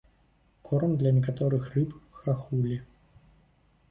Корм для некаторых рыб, хахулі.